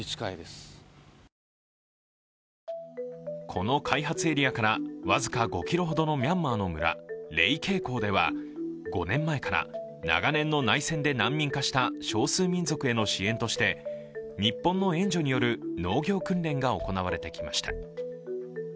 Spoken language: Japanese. この開発エリアから僅か５ｋｍほどのミャンマーの村、レイケーコーでは、５年前から長年の内戦で難民化した少数民族への支援として日本の援助による農業訓練が行われてきました。